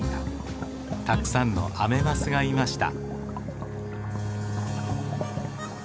たくさんのアメマスがいました。